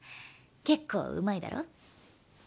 結構うまいだろ？